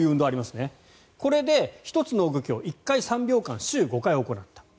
これで１つの動きを１回３秒間、週５回行った。